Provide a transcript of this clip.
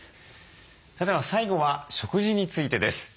では最後は食事についてです。